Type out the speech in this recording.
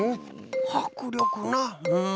はくりょくなうん。